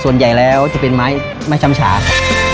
ส่วนใหญ่แล้วจะเป็นไม้ช้ำชาครับ